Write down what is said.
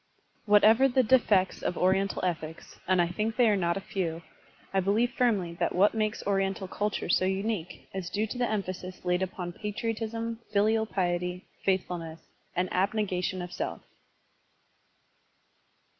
Whatever be the defects of Oriental ethics, — and I think they are not a few, — I firmly believe that what makes Oriental ctiltiire so unique is due to the emphasis laid upon patriotism, filial piety, faithfulness, and abnegation of self.